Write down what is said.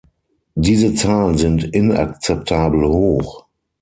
Diese Zahlen sind inakzeptabel hoch.